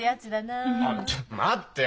あっちょっと待ってよ。